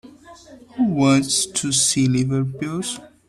Who wants to see liver pills?